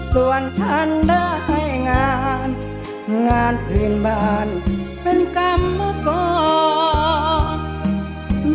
ส่วนฉันได้งานงานเพลินบานเป็นกรรมก่อน